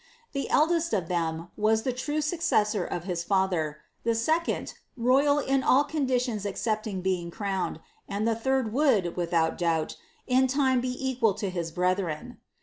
The eldest of them W the true successor of his father, the second, royal in all conditions Bcepting being crowned, and the third would, without doubt, in time k equal to his brethren."